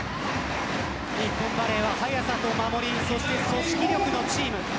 日本バレーは速さと守りそして組織力のチーム。